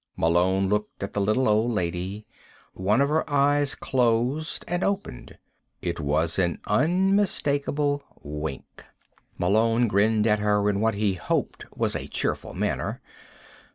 Malone looked at the little old lady. One of her eyes closed and opened. It was an unmistakable wink. Malone grinned at her in what he hoped was a cheerful manner.